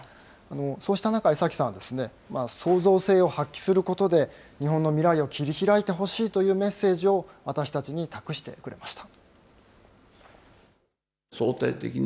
そうした中で江崎さんは、創造性を発揮することで、日本の未来を切り開いてほしいというメッセージを私たちに託してくれました。